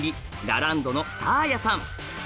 ラランドのサーヤさん。